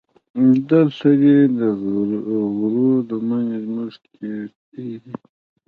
دلته دې د غرو لمنې زموږ کېږدۍ دي.